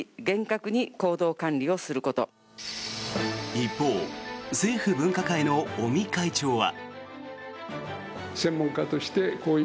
一方政府分科会の尾身会長は。